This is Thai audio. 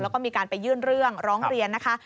แล้วก็มีการไปยื่นเรื่องร้องเรียนนะคะ